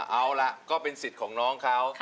เอาล่ะก็เป็นสิทธิ์ของน้องเขา